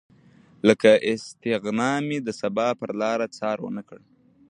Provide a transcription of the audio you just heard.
له استغنا مې د سبا پرلاره څار ونه کړ